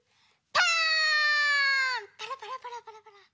パラパラパラパラパラ。